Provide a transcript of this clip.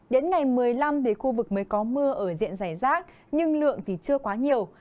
đến ngày một mươi năm thì khu vực mới có mưa ở diện giải rác nhưng lượng thì chưa quá nhiều